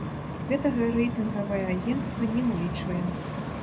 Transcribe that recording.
Гэтага рэйтынгавае агенцтва не ўлічвае.